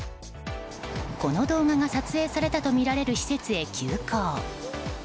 この動画が撮影されたとみられる施設へ急行。